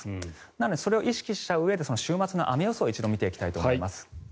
なので、それを意識したうえで週末の雨予想一度、見ていきたいと思います。